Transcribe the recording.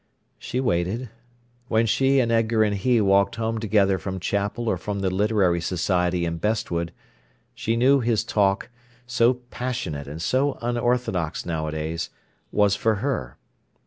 She waited. When she and Edgar and he walked home together from chapel or from the literary society in Bestwood, she knew his talk, so passionate and so unorthodox nowadays, was for her.